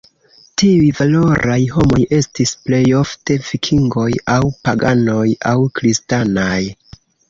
Tiuj "valoraj homoj" estis plejofte vikingoj, aŭ paganoj aŭ kristanaj.